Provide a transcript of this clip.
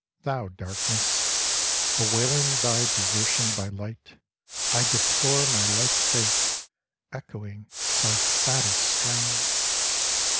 Thou Darkness, bewailing thy desertion by Light, I deplore my like fate, echoing thy saddest strain